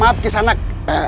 maaf kisah nak